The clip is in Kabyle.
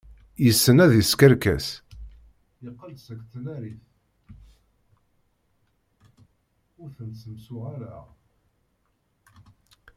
Yessen ad yeskerkes.